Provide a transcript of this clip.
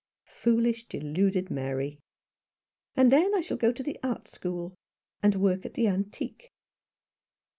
"Foolish, deluded Mary!" "And then I shall go to the Art School and work at the antique."